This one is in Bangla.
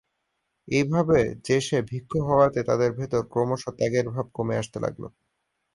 এইভাবে যে-সে ভিক্ষু হওয়াতে তাদের ভেতরে ক্রমশ ত্যাগের ভাব কমে আসতে লাগল।